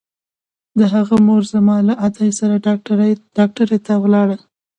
د هغه مور زما له ادې سره ډاکتر ته ولاړه.